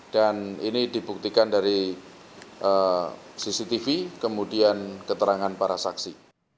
dan ini dibuktikan dari cctv kemudian keterangan para saksi